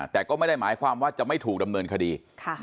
แต่ก็ไม่ได้หมายความว่าจะไม่ถูกดำเนินคดี